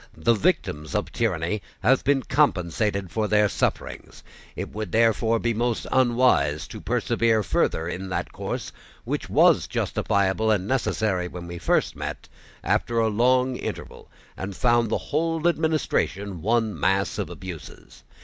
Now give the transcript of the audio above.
The victims of tyranny have been compensated for their sufferings. It would therefore be most unwise to persevere further in that course which was justifiable and necessary when we first met, after a long interval, and found the whole administration one mass of abuses.